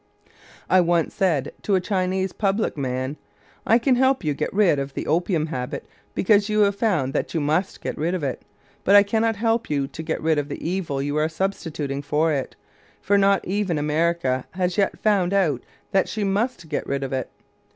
_ I once said to a Chinese public man: "I can help you to get rid of the opium habit because you have found that you must get rid of it, but I cannot help you to get rid of the evil you are substituting for it, for not even America has yet found out that she must get rid of it.